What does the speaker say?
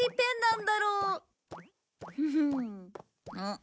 ん？